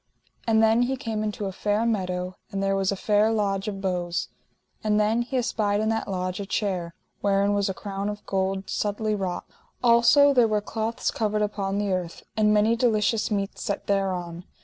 And then he came into a fair meadow, and there was a fair lodge of boughs. And then he espied in that lodge a chair, wherein was a crown of gold, subtly wrought. Also there were cloths covered upon the earth, and many delicious meats set thereon.